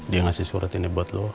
dia ngasih surat ini buat lo